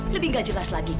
lebih gak jelas lagi